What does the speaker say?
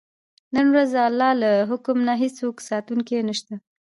نن ورځ د الله له حکم نه هېڅوک ساتونکی نه شته.